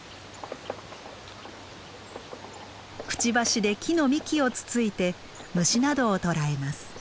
くちばしで木の幹をつついて虫などを捕らえます。